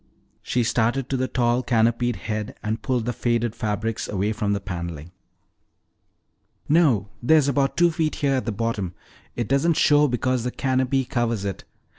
She started to the tall canopied head and pulled the faded fabrics away from the paneling. "No, there's about two feet here at the bottom. It doesn't show because the canopy covers it.